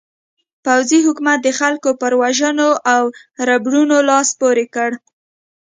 پوځي حکومت د خلکو پر وژنو او ربړونو لاس پورې کړ.